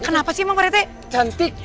kenapa sih emang pak rete cantik